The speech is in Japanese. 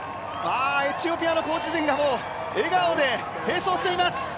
エチオピアのコーチ陣が笑顔で併走しています。